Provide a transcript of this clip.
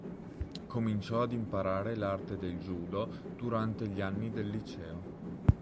Cominciò ad imparare l'arte del judo durante gli anni del liceo.